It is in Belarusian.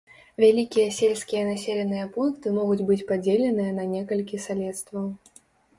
Вялікія сельскія населеныя пункты могуць быць падзеленыя на некалькі салецтваў.